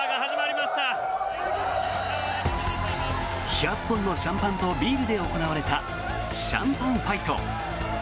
１００本のシャンパンとビールで行われたシャンパンファイト。